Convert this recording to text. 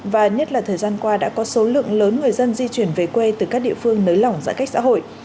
và nhất là thời gian qua đã có số lượng lớn người dân di chuyển về quê từ các địa phương nới lỏng giãn cách xã hội